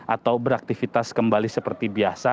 atau beraktivitas kembali seperti biasa